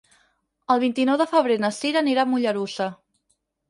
El vint-i-nou de febrer na Cira anirà a Mollerussa.